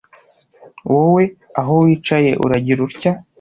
wowe aho wicaye uragira utya